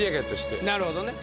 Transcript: なるほどね。